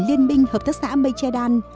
liên minh hợp tác xã mây che đan